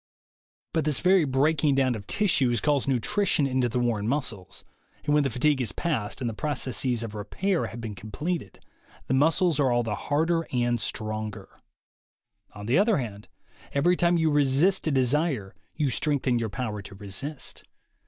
But this very breaking down of tissues calls nutrition into the worn muscles, and when the fatigue is past, and the processes of repair have been completed, the muscles are all the harder and stronger. On the other hand, every time you resist a desire you strengthen your power to resist.